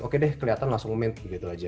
oke deh kelihatan langsung main gitu aja